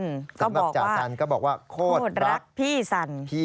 สำหรับจ่าสันก็บอกว่าโคตรรักพี่สัน